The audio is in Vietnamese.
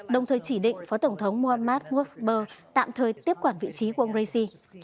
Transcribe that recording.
đồng thời chỉ định phó tổng thống mohammad mosboh tạm thời tiếp quản vị trí của ông raisi